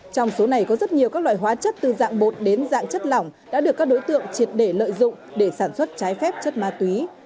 trong số này có rất nhiều các loại hóa chất từ dạng bột đến dạng chất lỏng đã được các đối tượng triệt để lợi dụng để sản xuất trái phép chất ma túy